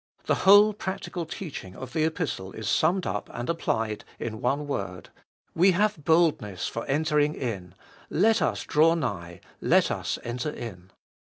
The whole practical teaching of the Epistle is summed up and ibolicst of HU 45 applied in the one word :" We have boldness for entering in : let us draw nigh : let us enter in."